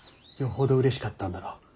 よほどうれしかったんだろう